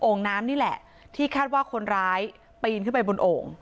งน้ำนี่แหละที่คาดว่าคนร้ายปีนขึ้นไปบนโอ่ง